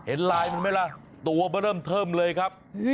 เห็นลายมันไหมล่ะตัวมาเริ่มเทิมเลยครับ